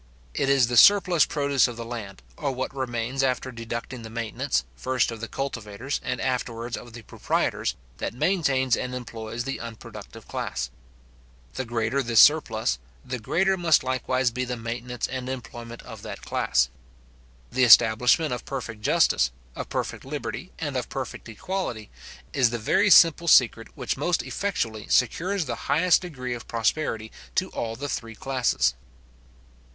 It is the surplus produce of the land, or what remains after deducting the maintenance, first of the cultivators, and afterwards of the proprietors, that maintains and employs the unproductive class. The greater this surplus, the greater must likewise be the maintenance and employment of that class. The establishment of perfect justice, of perfect liberty, and of perfect equality, is the very simple secret which most effectually secures the highest degree of prosperity to all the three classes.